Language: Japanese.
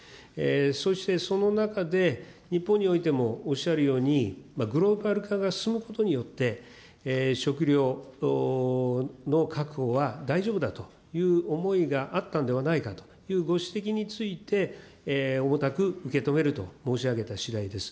そして、その中で日本においてもおっしゃるように、グローバル化が進むことによって、食料の確保は大丈夫だという思いがあったんではないかというご指摘について、重たく受け止めると申し上げたしだいです。